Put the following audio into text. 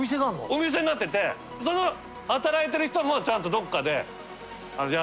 お店になっててその働いてる人もちゃんとどっかでやってるんですよ。